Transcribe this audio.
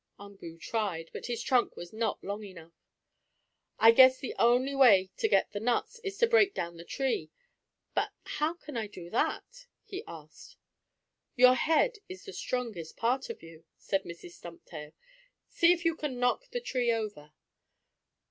Umboo tried, but his trunk was not long enough. "I guess the only way to get the nuts is to break down the tree; but how can I do that?" he asked. "Your head is the strongest part of you," said Mrs. Stumptail. "See if you can knock the tree over."